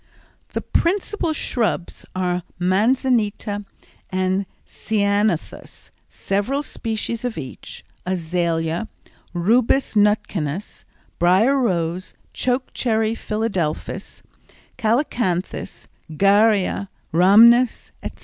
The principal shrubs are manzanita and ceanothus, several species of each, azalea, Rubus nutkanus, brier rose, choke cherry philadelphus, calycanthus, garrya, rhamnus, etc.